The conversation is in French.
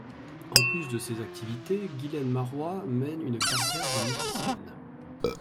En plus de ses activités, Guylaine Maroist mène une carrière de musicienne.